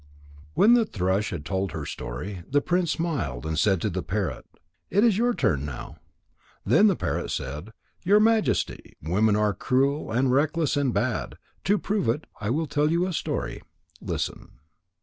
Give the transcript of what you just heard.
When the thrush had told her story, the prince smiled and said to the parrot: "It is your turn now." Then the parrot said: "Your Majesty, women are cruel and reckless and bad. To prove it, I will tell you a story. Listen."